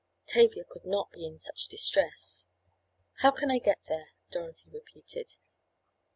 Tavia could not be in such distress. "How can I get there?" Dorothy repeated.